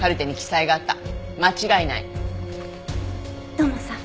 土門さん